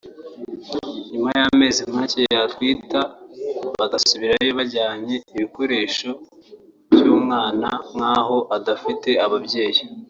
nyuma y’amezi make yatwita bagasubirayo bajyanye ibikoresho by’umwana nk’aho adafite ababyeyi